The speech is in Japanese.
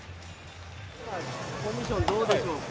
コンディション、どうでしょうか？